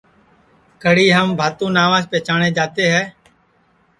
کڑی ہم بھانتو ناوس پیچاٹؔے جاتے ہے